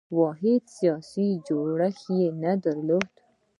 واحد سیاسي جوړښت یې نه درلود.